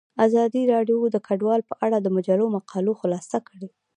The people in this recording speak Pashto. ازادي راډیو د کډوال په اړه د مجلو مقالو خلاصه کړې.